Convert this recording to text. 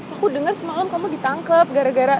aku denger semalam kamu ditangkep gara gara